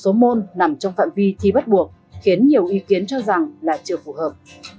một số môn nằm trong phạm vi thi bắt buộc khiến nhiều ý kiến cho rằng là chưa phù hợp